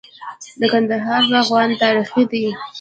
د کندهار باغونه تاریخي دي.